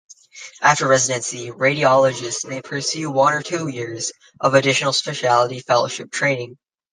After residency, Radiologists may pursue one or two years of additional specialty fellowship training.